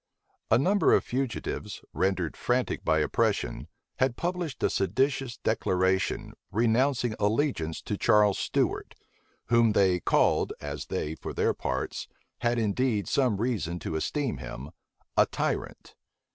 A number of fugitives, rendered frantic by oppression, had published a seditious declaration, renouncing allegiance to Charles Stuart, whom they called, as they, for their parts, had indeed some reason to esteem him, a tyrant.